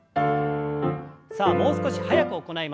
さあもう少し早く行います。